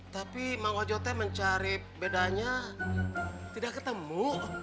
tapi mak wajo teh mencari bedanya tidak ketemu